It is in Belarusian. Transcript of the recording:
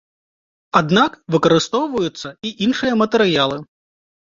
Аднак выкарыстоўваюцца і іншыя матэрыялы.